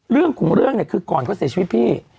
เรื่องของเรื่องเนี่ยคือก่อนเขาเสียชีวิตพี่